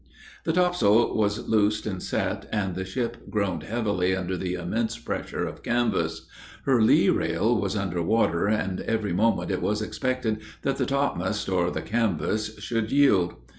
The topsail was loosed and set, and the ship groaned heavily under the immense pressure of canvass; her lee rail was under water, and every moment it was expected that the topmast or the canvass would yield.